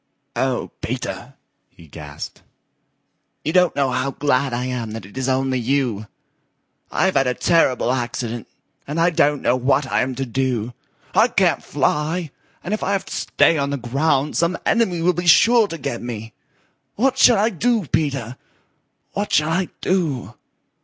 "Oh, Peter," he gasped, "you don't know how glad I am that it is only you. I've had a terrible accident, and I don't know what I am to do. I can't fly, and if I have to stay on the ground some enemy will be sure to get me. What shall I do, Peter? What shall I do?"